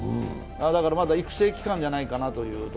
だからまだ育成期間なんじゃないかなと思って。